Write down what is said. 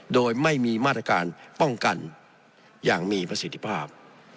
โดยไม่มีมาตรการป้องกันอย่างมีประสิทธิภาพ